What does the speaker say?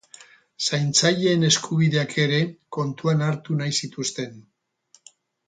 Zaintzaileen eskubideak ere kontuan hartu nahi zituzten.